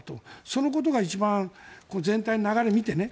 そのことが一番全体の流れを見てね。